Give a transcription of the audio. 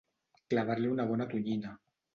Clavar-li una bona tonyina.